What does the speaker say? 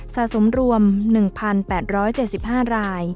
สะสมรวม๑๘๗๕ราย